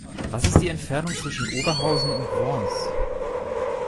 Was ist die Entfernung zwischen Oberhausen und Worms?